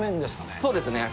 そうですね。